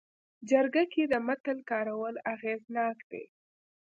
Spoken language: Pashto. جرګه کې د متل کارول اغېزناک دي